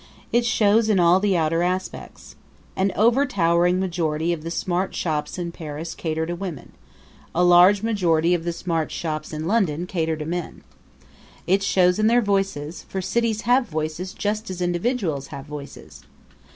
It shows in all the outer aspects. An overtowering majority of the smart shops in Paris cater to women; a large majority of the smart shops in London cater to men. It shows in their voices; for cities have voices just as individuals have voices.